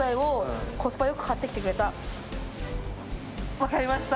分かりました。